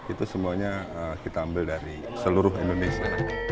itu semuanya kita ambil dari seluruh indonesia